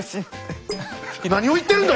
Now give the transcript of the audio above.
何を言ってるんだ